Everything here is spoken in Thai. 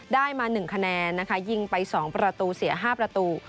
ได้มา๑คะแนนนะคะยิงไป๒ประตูเสีย๕ประตู